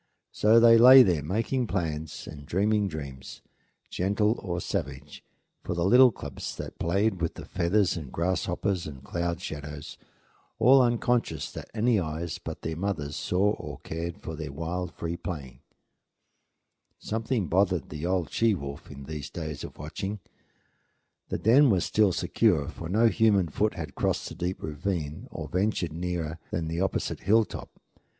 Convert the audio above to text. So they lay there making plans and dreaming dreams, gentle or savage, for the little cubs that played with the feathers and grasshoppers and cloud shadows, all unconscious that any eyes but their mother's saw or cared for their wild, free playing. [Illustration: "Watching her growing youngsters"] Something bothered the old she wolf in these days of watching. The den was still secure, for no human foot had crossed the deep ravine or ventured nearer than the opposite hilltop.